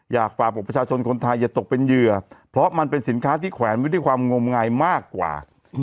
อยากฝากบอกประชาชนคนไทยอย่าตกเป็นเหยื่อเพราะมันเป็นสินค้าที่แขวนไว้ด้วยความงมงายมากกว่า